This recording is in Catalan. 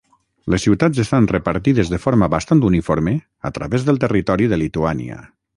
Les ciutats estan repartides de forma bastant uniforme a través del territori de Lituània.